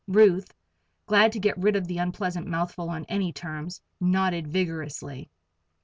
Ruth, glad to get rid of the unpleasant mouthful on any terms, nodded vigorously.